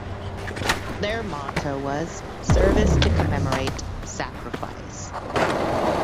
Their motto was "Service to Commemorate Sacrifice".